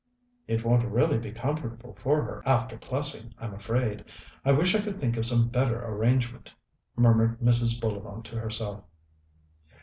"It won't really be comfortable for her after Plessing, I'm afraid. I wish I could think of some better arrangement...." murmured Mrs. Bullivant to herself.